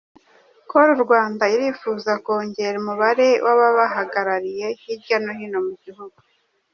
Call Rwanda irifuza kongera umubare w’ababahagarariye hirya no hino mu gihugu.